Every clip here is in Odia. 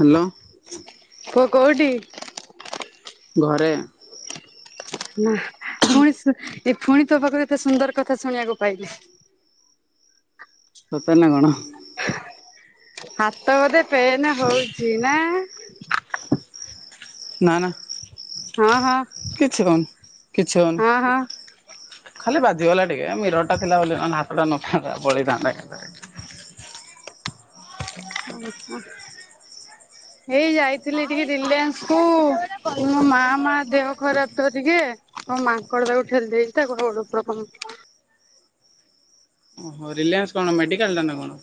ହ୍ୟାଲୋ। କୁହ କୋଉଠି? ଘରେ। ନା ପୁଣି ଏ ପୁଣି ତୋ ପାଖରେ ଏତେ ସୁନ୍ଦର କଥା ଶୁଣିବାକୁ ପାଇଲିି। ସତରେ ନା କଣ? ହାତ ବୋଧେ ପେନ୍ ହଉଛି ନା। ନା ନା ହଁ ହଁ କିଛି କଉନି କିଛି ହଉନି ହଁ ହଁ। ଖାଲି ବାଜିଗଲା ଟିକେ ମିରଟଟା ଥିଲା ବୋଲି ନ ହାତ ଟା ନଥାନ୍ତା ପଳେଇଥାନ୍ତା ଆହା। ଏଇ ଯାଇଥିଲି ଟିକେ ରିଲାନ୍ସ କୁ ମୋ ମା ମା ଦେହ ଖରାପ ତ ଟିକିଏ ହଁ ମାଙ୍କଡ ତାକୁ ଠେଲି ଦେଇଛି ତା ଗୋଡ ଫୋଡ଼ ଟିକେ ଓହୋ ରିଲାଏନ୍ସ କଣ ମେଡିକାଲ ଟା ନା କଣ?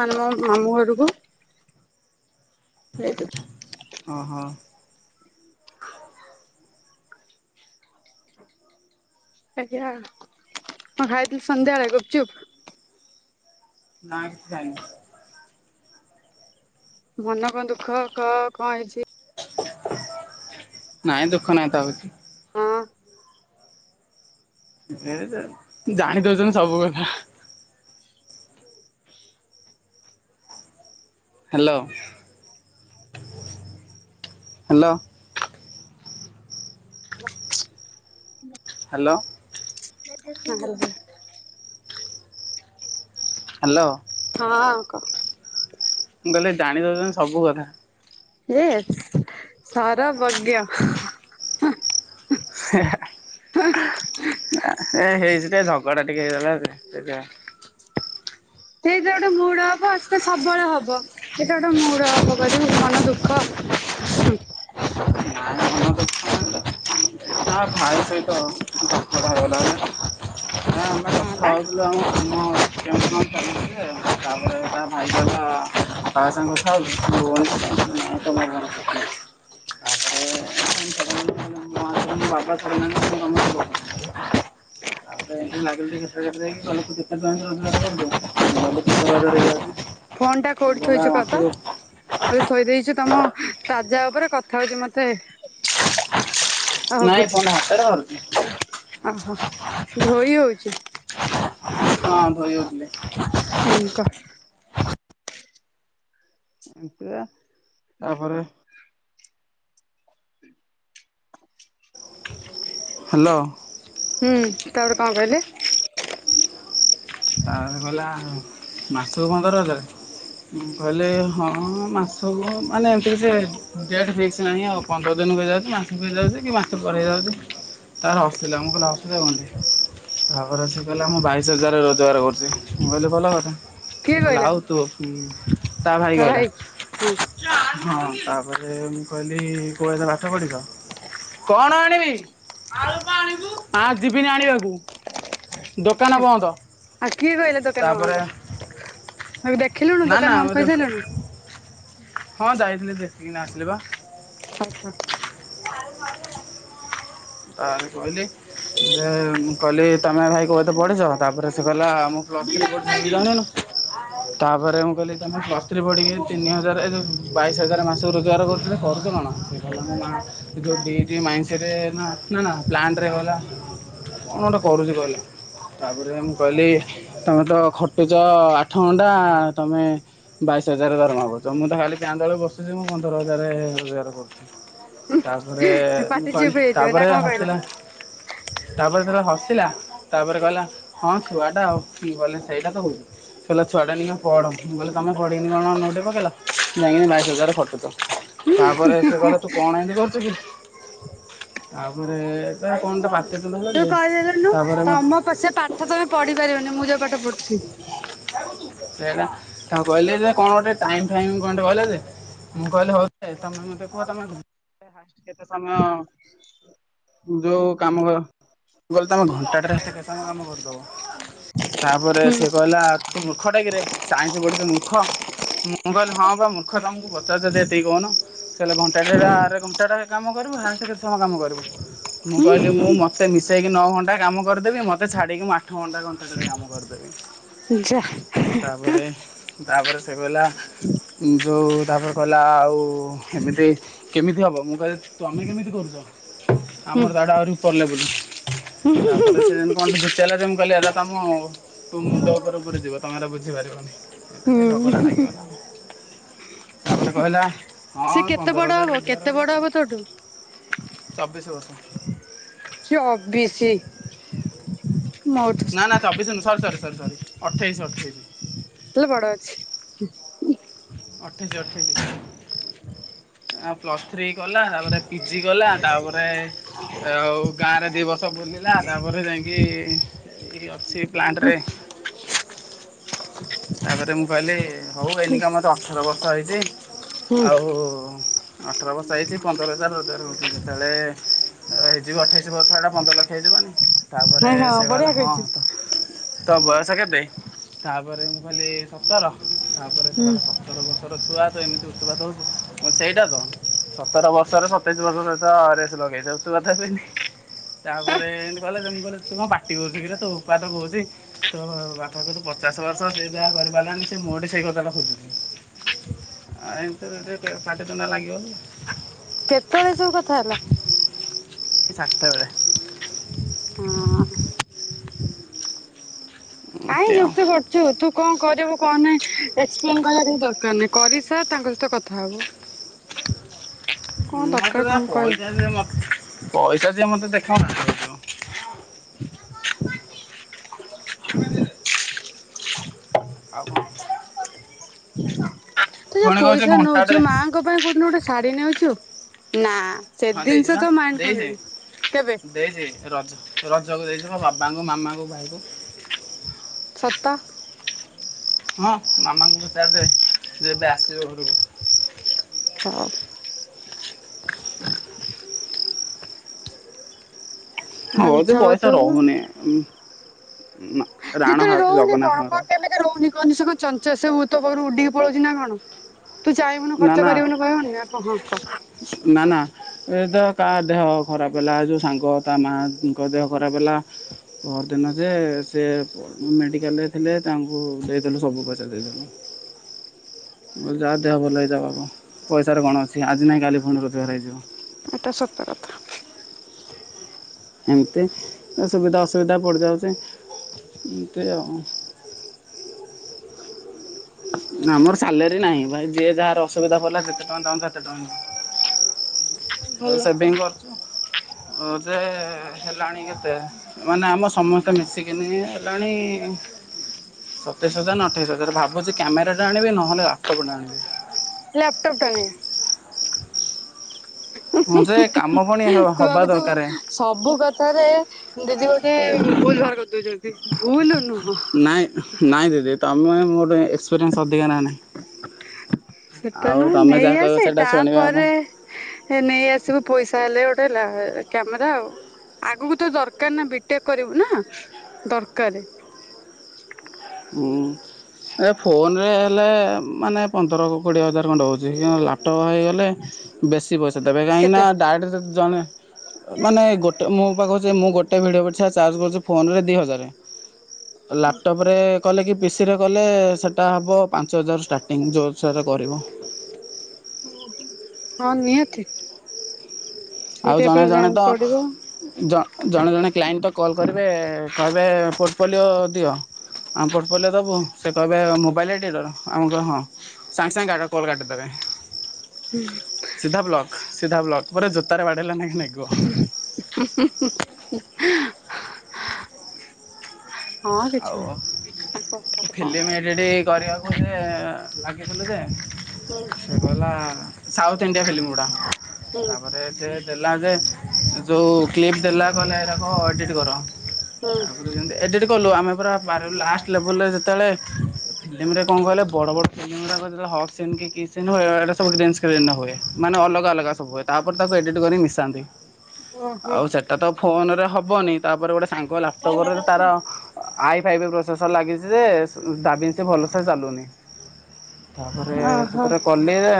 ମାନ ମାମୁଁ ଘରକୁ ଏ ଟୋକୀ ହଁ ହୋ ଆଜ୍ଞା କଣ ଖାଇଥିଲୁ ସନ୍ଧ୍ୟ ବେଳେ ଗୁପୁଚୁପୁ? ନା କିଛି ଖାଇନି। ମନ କଣ ଦୁଃଖ ଖ କଣ ହେଇଛି? ନାଇଁ ଦୁଃଖ ନାହିଁ ତା ହଁ? ଜାଣି ଦଉଛନ୍ତି ସବୁ କଥା। Hello hello hello. ହଁ ହାଲୋ। ହ୍ୟାଲୋ। ହଁ। ମୁଁ କହିଲେ ଜାଣି ଦଉଛନ୍ତି ସବୁ କଥା। ସିଏ ସରବଜ୍ଞ [inaudible] ଏ ହେଇଛି ଝଗଡ଼ା ଟିକିଏ ହେଇଥିଲା ସେ ଏଇଟା ଗୋଟେ ମୁଡ ଅପ୍ ସବୁବେଳେ ହବ ଏଇଟା ଗୋଟେ ମୁଡ ଅପ୍ କରିକି ହବ କରିବି ମନ ଦୁଃଖ। ହୁଁ। [unintelligible] ତା ଭାଇ ସହିତ କଡ଼ ହେଗଲାଣି ଆମେ କଥା ହଁ ବା ହେଉଥିଲ ଆମ [inaudible] ହଁ ଚାଲିଛି ଜେ ତାପରେ ତା ଭାଇ କହିଲା କାହା ସାଙ୍ଗେ କଥା ହୋଉଚୁ [unintelligible] ମୋ ହାତରେ ମୋ ବାପା [unintelligible] ଆଉ ଲାଗୁ [unintelligible] କେତେ ରୋଜଗାର [unintelligible] ଫୋନ୍ ଟା ସେ କୋଉଠି କହିଲା ଥୋଇଛୁ ମାସକୁ [unintelligible] ମ ଥୋଇ ଦେଇେଇଛୁ ତମ ତାଜା ଉପରେ କଥା ହଉଛି ମତେ [inaudible] ନାଇଁ ଫୋନ [unintelligible] ଆଚ୍ଛା ଧୋଇ [unintelligible] ହଁ ଧୋଇ ହୋଉଥିଲି। ହୁଁ। [unintelligible] ତାପରେ ହ୍ୟାଲୋ। ହୁଁ ତାପରେ କଣ କହିଲେ? ଆ ଗଲା ମାସକୁ ପନ୍ଦର ହଜାର। ଗଲେ ହଁ ମାସକୁ ମାନେ ଠିକ୍ ସେ ଡେଟ୍ ଫିକସ୍ ନାହିଁ ଆଉ। ପନ୍ଦର ଦିନ ହେଇଯାଉଛି କି ମାସେ ହେଇଯାଉଛି କି ମାସ ପରେ ହେଇଯାଉଛି। ତାପରେ ହସିଲା, ମୁଁ କହିଲି ହସୁଛ କଣ ପାଇଁ ତାପରେ ସେ କହିଲା, ମୁଁ ବାଇଶ ହଜାର ରୋଜ ରୋଜଗାର କରୁଛି ମୁଁ କହିଲି ଭଲ କଥା, କିଏ କହିଲା ଆଉ ତୁ ତା ଭାଇ କହିଲା। ହଁ ହଁ ତାପରେ ମୁଁ କହିଲି କୋଉ [unintelligible] କଣ ଆଣିବି, ଯିବିନି ଆଣିବାକୁ। ଦୋକାନ ବନ୍ଦ। ଆ କିଏ କହିଲା ଦୋକାନ ତାପରେ ବନ୍ଦ ଏବେ ଦେଖିଲୁଣୁ ନା ନା ଦୋକାନ ବନ୍ଦ କରିସାରିଲୁଣୁ। ହଁ ଯାଇଥିଲି ଦେଖିକିନା ଆସିଲି ବା। ହଁ ହଁ। କାଲି କହିଲି ଯେ କହିଲି ତମେ ଭାଇ କୋଉ ଏତେ ପଢିଛ ତାପରେ ସେ କିହିଲା ମୁଁ ପ୍ଲସ୍ ଥ୍ରୀ ପଡ଼ିଛି [unintelligible] ତାପରେ ମୁଁ କହିଲି ତମେ ପ୍ଲସ୍ ଥ୍ରୀ ପଢିକି ତିନି ହଜାର ଏ ଯୋଉ ବାଇଶ ହଜାର ମାସ ରୋଜଗାର କରୁଥିଲ କରୁଛ କଣ ଯୋଉ ଡିଉଟି ମାଇଣ୍ଡରେ ଆସିଥିଲ ନା ପ୍ଲାଣ୍ଟରେ ଗଲା କଣ ଗୋଟେ କରୁଛି କହିଲ ତାପରେ ମୁଁ ମୁଁ କହିଲି ତମେ ତ ଖଟୁଚ ଆଠ ଘଣ୍ଟା ତମେ ବାଇଶ ହଜାର ଦରମା କରୁଛ ମୁଁ ତ ଖାଲି ଫ୍ୟାନ୍ ତଳେ ବସୁଛି ମୁଁ ପନ୍ଦର ହଜାର ରୋଜଗାର କରୁଛି। ତାପରେ ପାଟି ମୁଁ କହିଲି ଚୁପ୍ ହେଇଯାଇଥିବ ନା ତାପରେ କଣ କହିଲା ହସିଲା। ତାପରେ ଯେତେବେଳେ ହସିଲା ତାପରେ କହିଲା ହଁ ଛୁଆ ଟା ଆଉ କଲେ ସେଇଟା ତ ହଉ। ସେ କହିଲା ଛୁଆଟା ଏଇନିକା ପଢ। ମୁଁ କହିଲି ତମେ ପଢିକିନି କଣ ନଉଟେଇ ପକେଇଲ ଯାଇଁକି ବାଇଶ ହଜାରରେ ଖଟୁଚ। ତାପରେ ସେ କହିଲା ତୁ କଣ ଏମତି କରୁଛୁ କି ତାପରେ ତା କଣଟା [unintelligible] ସେଦିନୁ ହେଲା ଯେ ତାପରେ ମତେ ହଁ ପ ସେ ପାଠ ତମେ ପଢି ପାରିବନି ମୁଁ ଯୋଉ ପାଠ ପଢୁଛି। ସେଇଟା ତାଙ୍କୁ କହିଲେ ଯେ କଣ ଗୋଟେ ଟାଇଁ ଫାଇଁ କଣଟେ କହିଲେ ଯେ ମୁଁ କହିଲି ହଉ ଦେ ତମେ ମତେ କୁହ ତମେ ଫାଷ୍ଟ୍ କେତେ ସମୟ ଯୋଉ କାମ କ ମୁଁ କହିଲି ତମେ ଘଣ୍ଟା ଟାରେ କେତେ କାମ କରିଦବ? ତାପରେ ହୁଁ ସିଏ କହିଲା ତୁ ମୂର୍ଖ ଟା କିରେ ସାଇନ୍ସ ପଢୁଛୁ ମୂର୍ଖ। ମୁଁ କହିଲି ହଁ ପା ମୂର୍ଖ ତମକୁ ପଚାରୁଚି ଯେତିକି ସେତିକି କହୁନ। ସେ କହିଲେ ଘଣ୍ଟା ଆରେ ଘଣ୍ଟା ଟା କାମ କରିବୁ ହାଏଷ୍ଟ କେତେ ସମୟ କାମ କରିବୁ। ମୁଁ କହିଲି ମୁଁ ମତେ ମିଶେଇକି ନଅ ଘଣ୍ଟା କାମ କରିଦେବି ମତେ ଛାଡ଼ିକି ମୁଁ ଆ ଆଠ ଘଣ୍ଟା ଘଣ୍ଟା ଟେ କାମ କରିଦେବି। ଯା ତାପରେ ତାପରେ ସେ କହିଲା ଯୋଉ ତାପରେ କହିଲା ଆଉ ଏମିତି କେମିତି ହବ ମୁଁ କହିଲି ତମେ କେମିତି କରୁଛ? ହୁଁ ଆମର ତାଠୁ ଆହୁରି ଉପର ଲେବୁଲ୍ ତାପରେ ସେ ଯେମିତି କଣ ଟେ ପଚାରିଲା ଯେ ମୁଁ ମୁଁ କହିଲି ଏରା ତମ ମୁଣ୍ଡ ଉପରେ ଉପରେ ଯିବ ତମେ ଏରା ବୁଝିପାରିବନି। ଏ ଝଗଡ଼ା ହୁଁ ଲାଗିଗଲା। ତାପରେ କହିଲା ସେ ହଁ କେତେ ପନ୍ଦର ବଡ ହଜାର ହବ ରୋଜଗାର କେତେ ବଡ କରୁଚୁ ହବ ତୋଠୁ? ଚବିଶ ବର୍ଷ। ସିଏ ଅ ବି ସି। ନା ନା ଚବିଶ ନୁହେଁ ସରି ସରି ସରି ସରି ଅଠେଇଶି ଅଠେଇଶି। ହୋଟେଲ୍ ବଡ ଅଛି। ଅଠେଇଶି ଅଠେଇଶି ଆଉ ପ୍ଲସ୍ ଥ୍ରୀ କଲା ତା ପରେ ପି ଜି କଲା ତାପରେ ଆଉ ଗାଁରେ ଦି ବର୍ଷ ବୁଲିଲା ତାପରେ ଯାଇକି ଏଇ ଅଛି ପ୍ଲାଣ୍ଟରେ। ତାପରେ ମୁଁ କହିଲି, ହଉ ହୁଁ ଏନିକା ମୋତେ ଅଠର ବର୍ଷ ହେଇଛି ହଁ ଆଉ ଅଠର ବର୍ଷ ହେଇଚି ପନ୍ଦର ହଜାର ରୋଜଗାର ହଉଚି, ଯେତେବେଳେ ହେଇଯିବ ଅଠେଇଶି ବର୍ଷ ହେଟା ପନ୍ଦର ଲକ୍ଷ ହେଇଯିବନି। ତାପରେ ହଁ ସେ କହିଲା ବଢିଆ ହଁ କହିଛୁ ତ ତ ବୟସ କେତେ ତାପରେ ମୁଁ କହିଲି ସତର, ତାପରେ ସେ ହୁଁ। କହିଲା ସ ସତର ବର୍ଷର ଛୁଆ ତୁ ଏମିତି ଉତୁପାତ୍ ହଉଚୁ ମୁଁ ସେଇଟା ତ। ସତର ବର୍ଷରେ ସତେଇସି ବର୍ଷ ସହିତ ରେସ ଲଗେଇ ଦଉଚୁ [unintelligible] ତାପରେ ଏମିତି କହିଲା, ମୁଁ କହିଲି ତୁ କଣ ପାଟି କରୁଚୁ କିରେ ତୋ ଓକାତ କହୁଚି ତ ବାପାକୁ ତୁ ପଚାଶ ବର୍ଷ ସେ ଯାହା କରିପାରିଲାନି, ସେ ମୋଠୀ ସେଇ କଥାଟା ଖୋଜୁଛି। ଆ ଏମିତିରେ ଟିକେ ପାଟିତୁଣ୍ଡ ଲାଗିଗଲୁ। କେତେବେଳେ ଏସବୁ କଥା ହେଲା? ଏ ସାତଟା ବେଳେ। ହଁ। କାଇଁ ଏମିତି ଆଉ ଯୁକ୍ତି କ ରୁଚୁ ତୁ କଣ କରିବୁ କଣ ନାଇଁ ଏକ୍ସପ୍ଲେନ କରିବା କିଛି ଦରକାର ନାହିଁ। କରି ସାର୍ ତାଙ୍କ ସହିତ କଥା ହବୁ। କଣ ଦରକାର ମୋତେ ନା ତାଙ୍କୁ କହିବା ପଇସା ଦିଅ ମତେ ପଇସା ଦିଏ ମୋତେ ଦେଖାଅନା। [inaudible] ଆଉ କଣ? ତୁ ଯଉ ପୁଣି କହୁଛି ପଇସା ନୋଉଚୁ ଘଣ୍ଟାଟେ ମାଙ୍କ ପାଇଁ କଉଦିନ ଗୋଟେ ଶାଢୀ ନେଉଚୁ ନା। ସେ ହଁ ଦିନିଷ ଯମା ଆଣିବନେହିଁ କେବେ। ଦେଇଚି ରଜ ରଜକୁ ଦେଇଚି ମୋ ବାବାଙ୍କୁ ମାମାଙ୍କୁ ଭାଇକୁ। ସତ। ହଁ ମାମାଙ୍କୁ ପଚାରି ଦେବେ ଯେବେ ଆସିବ ଘରକୁ। ହଁ। ନହେଲେ ମିଛ ହଉଚି ପଇସା କହୁଥିବୁ। ରହୁନି, ରାଣ ଖାଉଛି ଜଗନ୍ନାଥଙ୍କର। ଏ ରହୁନି କହନି, ସେ କୋହୁଚି ଚଞ୍ଚାଳ ସେ କଣ ତୋ ପାଖରୁ ଉଡିକି ପଳଉଚି ନା କଣ? ତୁ ଚାହିଁବୁନୁ ନା ଖର୍ଚ୍ଚ ନା କରିବୁନୁ କହିବୁନି ନା ଆ କ ହଁକା। ନା ନା। ଏ ତ କା ଦେହ ଖରାପ ହେଲା, ଯୋଉ ସାଙ୍ଗ ତା ମାଙ୍କ ଦେହ ଖରାପ ହେଲା। ପହରଦିନ ଯେ ସେ ମେଡିକାଲ ରେ ଥିଲେ, ତାଙ୍କୁ ଦେଇଦେନୁ ସବୁ ପଇସା ଦେଇଦେନୁ। ଯାହା ଦେହ ଭଲ ହେଇଯାଉ ପଇସାରେ କଣ ଅଛି ଆଜି ନାହିଁ କାଲି ପୁଣି ରୋଜକାର ହେଇଯିବ। ଏଟା ସତ କଥା। ହଁ ତ ସୁବିଧା ଅସୁବିଧା ପଡ଼ିଯାଉଚି ଏମିତି ଆଉ। ଆମର ସାଲେରୀ ନାହିଁ ଭାଇ ଯିଏ ଯାହାର ଅସୁବିଧା ପଇଲା ସେତେ ଟଙ୍କା ଦବ ସେତେ ଟଙ୍କା ନିଅ। ଏଇ ଭଲ। ସେଭିଙ୍ଗ କରୁଚି ହୋଉ ଯେ ହେଲାଣି କେତେ ମାନେ ଆମ ସମସ୍ତେ ମିଶିକିନି ହେଲାଣି ସତେଇଶି ହଜାର ନା ଅଠେଇଶି ହଜାର, ଭାବୁଚି କ୍ୟାମେରା ଟେ ଆଣିବି ନହେଲେ ଲାପ୍ ଟପ୍ ଟେ ଆଣିବି। ଲାପଟପ୍ ଟେ ଆଣିବି। ହଁ ଯେ କାମ ପୁଣି ହ ତୁ ହବା ଭାବୁଛୁ ଦରକାରେ। ସବୁ କଥାରେ ଦିଦି ଗୋଟେ ଭୁଲ୍ ଭାର କରିଦଉଚନ୍ତି। ଭୁଲ୍ ନୁହଁ। ନାଇଁ ନାଇଁ ଦିଦି ତମେ ମୋଠୁ ଏକ୍ସେପିରିନ୍ସ୍ ଅଧିକା ନା ନାହିଁ। ସେଟା ଆଉ ନୁହଁ ତମେ ନେଇ ଯାହା କହିବ ଆସେ ସେଇଟା ଶୁଣିବା କଥା ତାପରେ। ଏ ନେଇ ଆସିବୁ ପଇସା ହେଲେ ଗୋଟେ ଲା କ୍ୟାମେରା ଆଉ। ଆଗକୁ ତ ଦରକାର ନା ବିଟେକ୍ କରିବୁ ନା ଦରକାରେ। ହୁଁ। ଏ ଫୋନରେ ହେଲେ ମାନେ ପନ୍ଦର କୋଡ଼ିଏ ହଜାରେ ଖଣ୍ଡେ ହଉଚି, କିନ୍ତୁ ଲାପଟପ୍ ହେଇଗଲେ ଲେ ବେଶୀ ପଇସା ଦେବେ କାହିଁକି ନା କେତେ ଡାଏଟେ ଯଦି ଜଣେ ମାନେ ଗୋଟେ ମୁ ପା କହୁଛି ମୁଁ ଗୋଟେ ଭିଡ଼ିଓ ପିଛା ଚାର୍ଜ କରୁଛି ଫୋନ୍ ରେ ଦି ହଜାର। [unintelligible] ଲାପ୍ ଟପ୍ ରେ କଲେ କି ପିସିରେ କଲେ ସେଇଟା ହବ ପାଞ୍ଚ ହଜାରୁ ଷ୍ଟାଟିଙ୍ଗି ଯଉ ଅନୁସାରେ କରିବୁ। ହଁ ନିହାତି। ସେଇ ଆଉ ଟାଇପ୍ ଜଣେ ର ଜଣେ ଜାଣି ତ ପଡିବ ଜ ଜଣେ ଜଣେ କ୍ଲାଇଣ୍ଡି ତ କଲ୍ କରିବେ କହିବେ ପୋର୍ଟପୋଲିଓ ଦିଅ। ଆମ ପେଟ୍ ପେଲିଓ ଦେବୁ ସେ କହିବେ ମୋବାଇଲ୍ ଲେ ଟିକିଏ ଦବ ଆମେ କହି ମୁଁ ହଁ। ସାଙ୍ଗେ ସାଙ୍ଗେ ଗାଗା କଲ୍ କାଟି ଦେବେ। ହୁଁ। ସିଧା ବ୍ଲକ ସିଧା ବ୍ଲକ ପୁରା ଜୋତାରେ ବାଡେଇଲା ନାହିଁକି ଲାଗିବ। ହଁ ହଁହଁ ହଁ ଆଁ। ଆଉ ନାହିଁ କଥାରେ କଣ ଫିଲିମି ଏଡିଟିଂ କରିବାକୁ ମଝିରେ ଲାଗିଥିଲୁ ଯେ ହୁଁ। ସେ କହିଲା ସାଉଥ୍ ଇଣ୍ଡିଆ ଫିଲ୍ମି ଗୁଡ଼ା ହୁଁ ତାପରେ ସେ ଦେଲା ଯେ ଯୋଉ କ୍ଲିପ୍ ଦେଲା କହିଲା ଏଇରାକ ଏଡ଼ିଟ୍ କର। ହୁଁ। ଏଡ଼ିଟ୍ କଲୁ ଆମେ ପୁରା ଲାଷ୍ଟ୍ ଲେବୁଲ୍ ରେ ଯେତେବେଳେ? ଫିଲ୍ମ ରେ କଣ କହିଲେ ବଡ ବଡ ଫିଲ୍ମ ରାକ ହଗ୍ ସୀନ୍ କି କିସ୍ ସୀନ୍ ହୁଏ ବେଳେବେଳେ ଏ ଗୁଡା ଗ୍ରୀନ୍ ସିଗନାଲ୍ ସ୍କ୍ରିନରେ ହୁଏ ମାନେ ଅଲଗା ଅଲଗା ସବୁହୁଏ ତାପରେ ତାକୁ ଏଡ଼ିଟ୍ କରି ମିଶାନ୍ତି। ଓହୋ ଆଉ ସେଟା ତ ଫୋନରେ ହବନି ତାପରେ ଗୋଟେ ସାଙ୍ଗ ଲାପଟପ୍ ରେ ତାର ଆଇଫାଇବି ପ୍ରୋସେସର ଲାଗିଛି ଯେ ଦାବି ଭଲସେ ଚାଲୁନି ତା ପରେ ଓହୋ ସେଥିରେ କଲିଯେ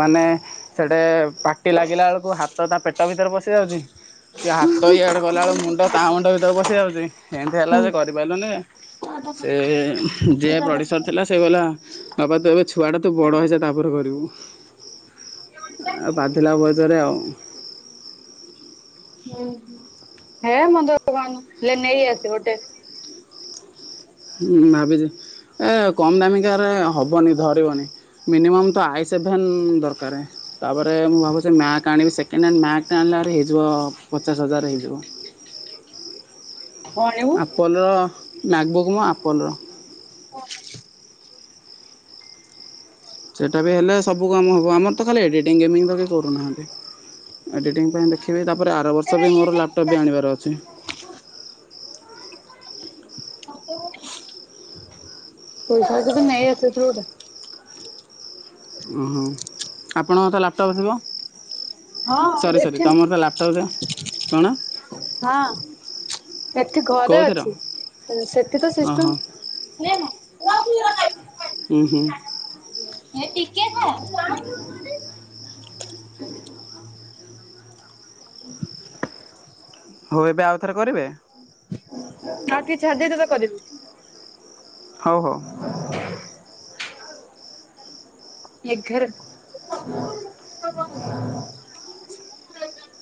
ମାନେ ସେଇଟେ ପାଟି ଲାଗିଲା ବେଳକୁ ହାତ ଟା ପେଟ ଭିତରେ ପଶି ଯାଉଛି। କି ହାତ ଇଆଡେ ଗଲାବେଳେ ମୁଣ୍ଡ ତା ମୁଣ୍ଡ ଭିତରେ ପଶି ଯାଉଛି ଏମିତି ହେଲା ହୁଁ ଯେ କରିପାରିଲୁନି ସେ ଯିଏ ପ୍ରଡ୍ୟୁସର ଥିଲା ସେ କହିଲା ବାପା ତୁ ଏବେ ଛୁଆଟା ତୁ ବଡ଼ ହୋଇଯା ତାପରେ କରିବୁ। ଆ ବାଧିଲା ବହେଜରେ ଆଉ। ହୁଁ ହେ ମଦ କଥାକହନା ନେଇ ଆସିବ ଟେନ୍ ହୁଁ ଭାବିଛି ଏ କମ୍ ଦାମିକାରେ ହବନି ଧରିବନି। ମିନିମମ୍ ତ ଆଇସେଭେନ୍ ଦରକାର। ତାପରେ ମୁଁ ଭାବୁଛି ମ୍ୟାକ୍ ଆଣିବି ସେକେଣ୍ଡ ହ୍ୟାଣ୍ଡ ମ୍ୟାକ୍ଟେ ଆଣିଲା ହେଇଯିବ ପଚାଶ ହଜାର ହେଇଯିବ। କଣ ଆଣିବୁ? ପୋଲୋ ନାଗବୁକ୍ ନୁହଁ ଆପଲର। ଓ - ସେଇଟା ବି ହେଲେ ସବୁ କାମ ହେବ ଆମର ତ ଖାଲି ଏଡିଟିଂ ଗେମିଙ୍ଗ ତ କେହି କରୁନାହାଁନ୍ତି ଏଡ଼ିଟିଂ ପାଇଁ ଦେଖ। ଖିବି ତାପରେ ଆର ବର୍ଷ ବି ମୋର ଲାପଟପ୍ ବି ଆଣିବାର ଅଛି। [inaudible] ପଇସା ରଖିଛୁ ନେଇଆସିଥିବୁ ଗୋଟେ। ହୁଁ ହୁଁ ଆପଣଙ୍କର ତ ଲାପଟପ୍ ଥିବ? ହଁ ସରି ସରି ଏଠି ତମର ତ ଲାପଟପ୍ ଥିବ କଣ? ହଁ ଏଠି ଘରେ କେଉଁଥିର ଅଛି ସେଠି ତ ଓହୋ ସିଷ୍ଟମ [unintelligible] ଉ ହୁ। ଏ ଟିକେ ଖା [unintelligible] ହଉ ଏବେ ଆଉଥରେ କରିବେ? ଆଉ ଟିକେ ଛାଡ଼ିଦେଇ ତତେ କରିବି। ହଉ ହଉ। [inaudible] [inaudible]